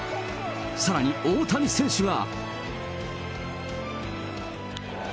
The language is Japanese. さらに大谷選手が。